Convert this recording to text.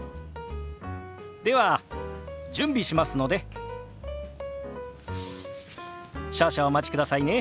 では準備しますので少々お待ちくださいね。